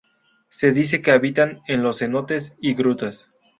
Se dice que habitan en los cenotes y grutas.